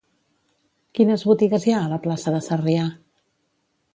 Quines botigues hi ha a la plaça de Sarrià?